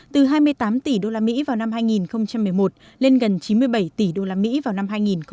từ hai mươi tám tỷ usd vào năm hai nghìn một mươi một lên gần chín mươi bảy tỷ usd vào năm hai nghìn một mươi tám